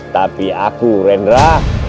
tapi aku wendra